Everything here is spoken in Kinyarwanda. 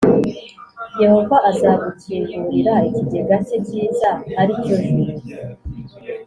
Yehova azagukingurira ikigega cye cyiza, ari cyo juru,